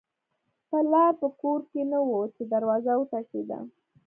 پلار په کور کې نه و چې دروازه وټکېده